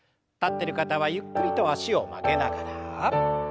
立ってる方はゆっくりと脚を曲げながら。